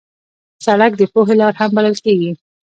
سړک د پوهې لار هم بلل کېږي.